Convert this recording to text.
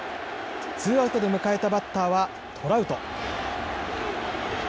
ツーアウトで迎えたバッターはトラウト。